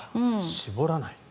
絞らない。